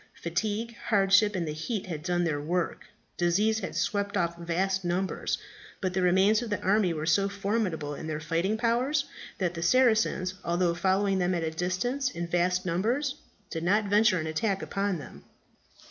Fatigue, hardship, and the heat had done their work; disease had swept off vast numbers. But the remains of the army were so formidable in their fighting powers that the Saracens, although following them at a distance in vast numbers, did not venture an attack upon them.